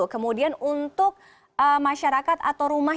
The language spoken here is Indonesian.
kemudian untuk masyarakat atau rumah